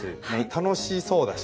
楽しそうだし。